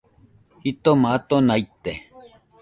Jitoma atona ite